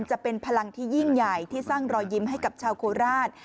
จะเป็นพลังที่ยิ่งใหญ่ที่สร้างรอยยิ้มให้กับชาวโคราช